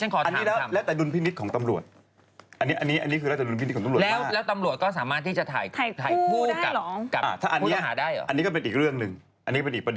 คือทางตำรวจเขาได้มีการชี้แจงอะนะครับ